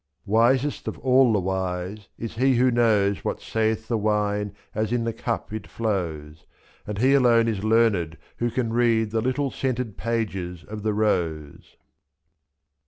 Wisest of all the wise is he who knows What saith the wine as in the cup it flows, 2/^' And he alone is learned who can read The little scented pages of the rose.